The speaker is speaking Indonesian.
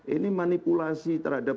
ini manipulasi terhadap